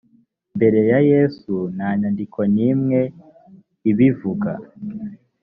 mbere ya yesu nta nyandiko n’imwe ibuvuga